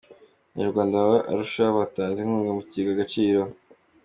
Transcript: Abanyarwanda baba Arusha batanze inkunga mu kigega Agaciro